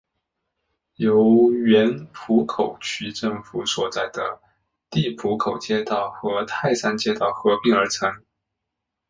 由原浦口区政府所在地浦口街道和泰山街道合并而成。